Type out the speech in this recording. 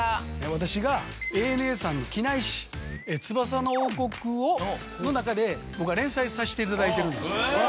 私がＡＮＡさんの機内誌『翼の王国』の中で連載さしていただいてるんです。